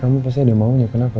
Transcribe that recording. kamu pasti ada yang maunya kenapa